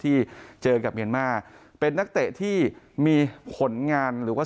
ที่เจอกับเมียนมาร์เป็นนักเตะที่มีผลงานหรือว่า